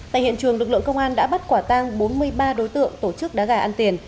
tại hiện trường lực lượng công an đã bắt quả tang bốn mươi ba đối tượng tổ chức đá gà ăn tiền